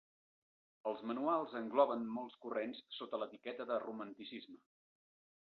Els manuals engloben molts corrents sota l'etiqueta de romanticisme.